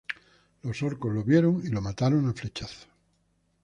Los orcos lo vieron y lo mataron a flechazos.